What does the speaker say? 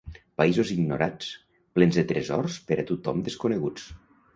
Països ignorats, plens de tresors per a tothom desconeguts.